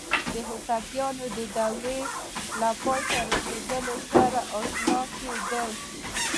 د هوتکیانو د دورې له پای ته رسیدو سره آشنا کېدل دي.